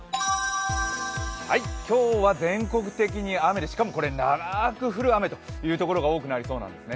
今日は全国的に雨でしかもこれ長く降る雨というところが多くなりそうなんです。